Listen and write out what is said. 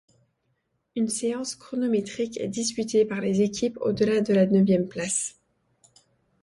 Une séance chronométrique est disputée par les équipes au delà de la neuvième place.